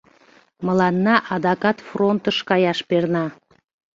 Мыланна адакат фронтыш каяш перна.